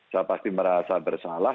saya pasti merasa bersalah